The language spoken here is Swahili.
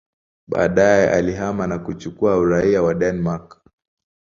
Baadaye alihamia na kuchukua uraia wa Denmark.